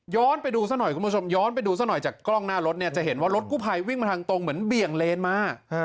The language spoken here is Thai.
ไปดูซะหน่อยคุณผู้ชมย้อนไปดูซะหน่อยจากกล้องหน้ารถเนี่ยจะเห็นว่ารถกู้ภัยวิ่งมาทางตรงเหมือนเบี่ยงเลนมา